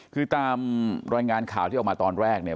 คือรอยงานข่าวที่ออกมาตอนแรกบอกว่า